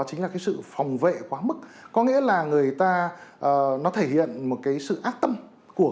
chính là cái sự phòng vệ quá mức có nghĩa là người ta nó thể hiện một cái sự ác tâm của